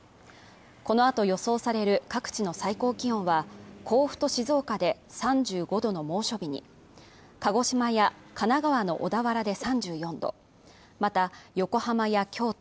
このあと予想される各地の最高気温は甲府と静岡で３５度の猛暑日に鹿児島や神奈川の小田原で３４度また横浜や京都